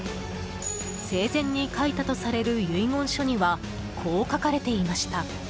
生前に書いたとされる遺言書にはこう書かれていました。